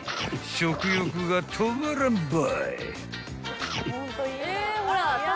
［食欲が止まらんばい］